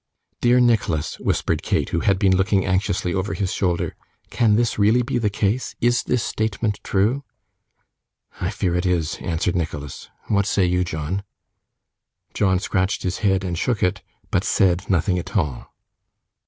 'Dear Nicholas,' whispered Kate, who had been looking anxiously over his shoulder, 'can this be really the case? Is this statement true?' 'I fear it is,' answered Nicholas. 'What say you, John?' John scratched his head and shook it, but said nothing at all.